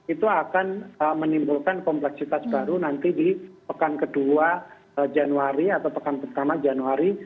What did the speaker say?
itu akan menimbulkan kompleksitas baru nanti di pekan kedua januari atau pekan pertama januari